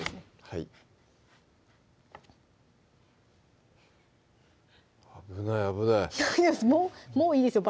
はい危ない危ないもういいですよ